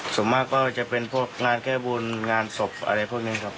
ส่วนมากก็จะเป็นพวกงานแก้บุญงานศพอะไรพวกนี้ครับ